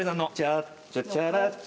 チャッチャチャラッチャ。